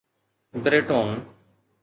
بريٽون